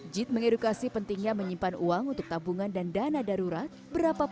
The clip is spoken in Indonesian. jit terpilih menjalankan tugas sebagai manajer unit usaha